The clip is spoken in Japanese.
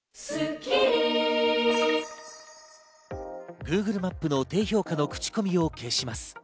Ｇｏｏｇｌｅマップの低評価の口コミを消します。